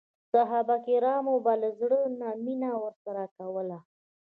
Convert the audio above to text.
صحابه کرامو به له زړه نه مینه ورسره کوله.